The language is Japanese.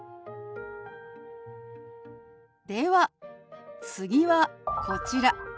では次はこちら。